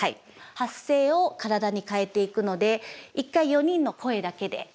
発声を体に変えていくので一回４人の声だけでいきましょう。